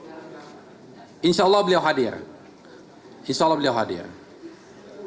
sebelumnya juga pak ari yang sempat bilang kalau kakak kakak ingin mekanismenya mau masuk ke bawah dulu baru mau ke bawah